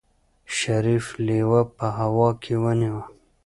شريف لېوه په هوا کې ونيو.